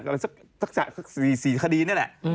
อะไรสัก๔คดีนี่แหละ